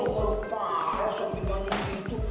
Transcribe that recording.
kalau parah sopi banyak gitu